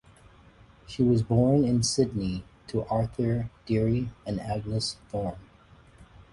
She was born in Sydney to Arthur Deery and Agnes Thorne.